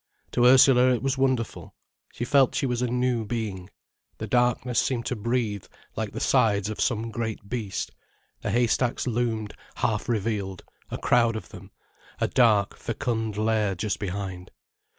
To Ursula it was wonderful. She felt she was a new being. The darkness seemed to breathe like the sides of some great beast, the haystacks loomed half revealed, a crowd of them, a dark, fecund lair just behind.